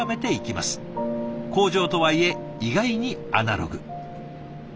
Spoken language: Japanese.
工場とはいえ意外にアナログ。